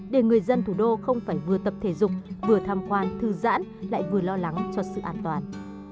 để người dân thủ đô không phải vừa tập thể dục vừa tham quan thư giãn lại vừa lo lắng cho sự an toàn